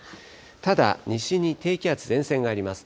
ただ、西に低気圧、前線があります。